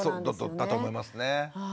だと思いますね。